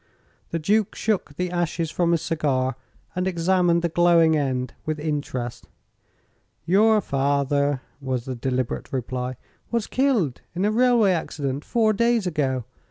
The Duke shook the ashes from his cigar and examined the glowing end with interest. "Your father," was the deliberate reply, "was killed in a railway accident, four days ago.